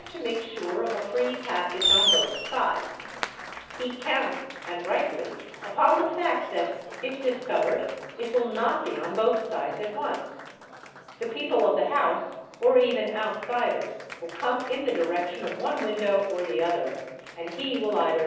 to make sure of a free passage on both sides; he counts, and rightly, upon the fact that if discovered it will not be~™ on both sides at once; the people of the house or even outsiders will come in the direction of one window or the other, and he will either